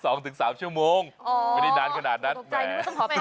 สองถึงสามวันน่ะแนวเล่นสองถึงสามชั่วโมง